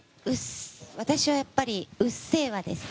私はやっぱり「うっせぇわ」です。